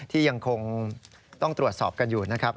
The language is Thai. ที่ยังคงต้องตรวจสอบกันอยู่นะครับ